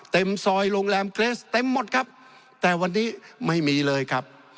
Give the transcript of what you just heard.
เต็มซอยโรงแรมเกรสเต็มหมดครับแต่วันนี้ไม่มีเลยครับ